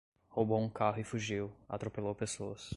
Roubou um carro e fugiu, atropelou pessoas